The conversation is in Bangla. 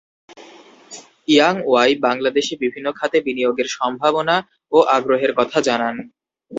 ইয়াং ওয়াই বাংলাদেশে বিভিন্ন খাতে বিনিয়োগের সম্ভাবনা ও আগ্রহের কথা জানান।